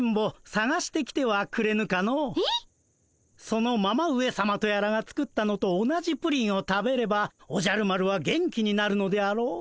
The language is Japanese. そのママ上さまとやらが作ったのと同じプリンを食べればおじゃる丸は元気になるのであろう。